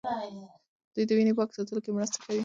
دوی د وینې پاک ساتلو کې مرسته کوي.